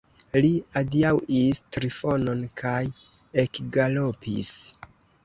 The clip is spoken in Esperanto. Li adiaŭis Trifonon kaj ekgalopis.